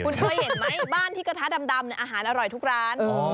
คุณเคยเห็นไหมบ้านที่กระทะดำอาหารอร่อยทุกร้าน